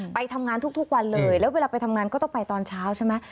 ไปทำงานทุกวันเลยแล้วเวลาไปทำงานก็ต้องไปตอนเช้าใช่ไหม